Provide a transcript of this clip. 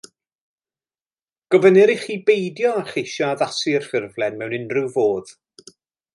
Gofynnir ichi beidio â cheisio addasu'r ffurflen mewn unrhyw fodd